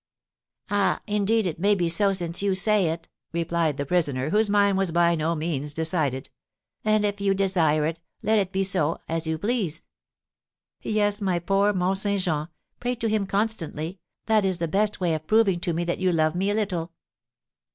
"Ah, indeed, it may be so since you say it!" replied the prisoner, whose mind was by no means decided; "and if you desire it, let it be so; as you please." "Yes, my poor Mont Saint Jean, pray to him constantly, that is the best way of proving to me that you love me a little."